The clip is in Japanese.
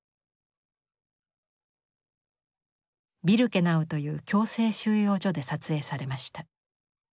ビルケナウという強制収容所で撮影されました。